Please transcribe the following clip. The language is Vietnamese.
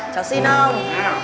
cháu xin không